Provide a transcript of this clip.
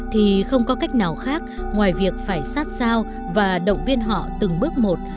thì không có cách nào khác ngoài việc phải sát sao và động viên họ từng bước một